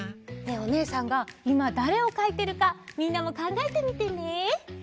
おねえさんがいまだれをかいてるかみんなもかんがえてみてね。